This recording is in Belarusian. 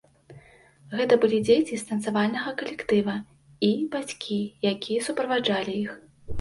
Гэта былі дзеці з танцавальнага калектыва і бацькі, якія суправаджалі іх.